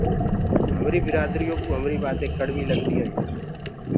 همري برآدري ڪوُ همري بآتينٚ ڪڙوي لگديونٚ هينٚ۔